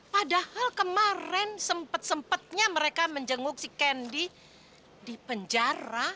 padahal kemarin sempat sempatnya mereka menjenguk si kendi di penjara